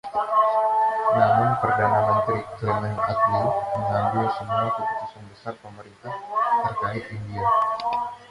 Namun, Perdana Menteri Clement Attlee mengambil semua keputusan besar pemerintah terkait India.